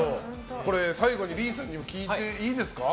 これ、最後にＬＥＥさんにも聞いていいですか？